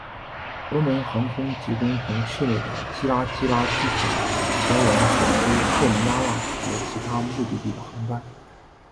所罗门航空提供从市内的基拉基拉机场前往首都霍尼亚拉和其他目的地的航班。